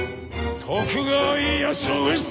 徳川家康を討つ！